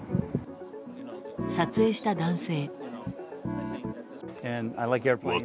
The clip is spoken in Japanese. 撮影した男性。